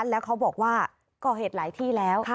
แล้วเขาบอกว่าก่อเหตุหลายที่แล้ว